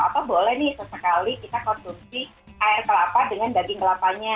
atau boleh nih sesekali kita konsumsi air kelapa dengan daging kelapanya